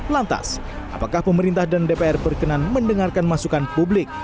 lantas apakah pemerintah dan dpr berkenan mendengarkan masukan publik